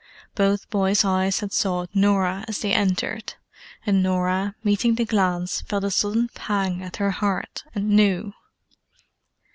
Both boys' eyes had sought Norah as they entered: and Norah, meeting the glance, felt a sudden pang at her heart, and knew.